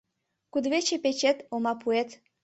Кудывече печет — олмапуэт.